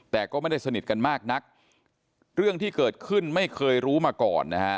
แต่ก็ไม่ได้สนิทกันมากนักเรื่องที่เกิดขึ้นไม่เคยรู้มาก่อนนะฮะ